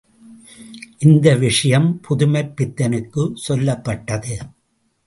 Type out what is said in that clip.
இந்த விஷயம் புதுமைப் பித்தனுக்குச் சொல்லப்பட்டது.